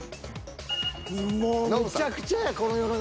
もうむちゃくちゃやこの世の中。